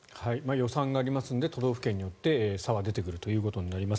予算がありますので都道府県によって差が出てくることになります。